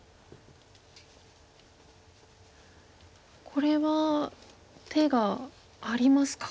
これは手がありますか。